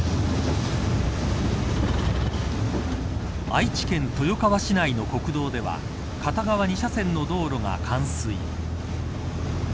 愛知県豊川市内の国道では片側２車線の道路が冠水。